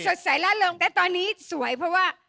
สดใสล่าเริงแต่ตอนนี้สวยเพราะว่า